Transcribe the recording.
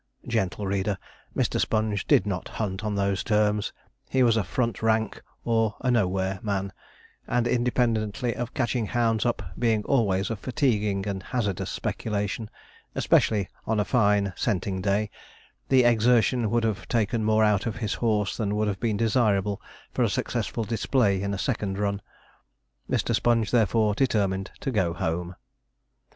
Gentle reader! Mr. Sponge did not hunt on those terms; he was a front rank or a 'nowhere' man, and independently of catching hounds up being always a fatiguing and hazardous speculation, especially on a fine scenting day, the exertion would have taken more out of his horse than would have been desirable for successful display in a second run. Mr. Sponge, therefore, determined to go home.